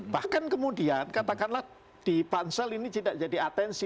bahkan kemudian katakanlah di pansel ini tidak jadi atensi